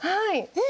え！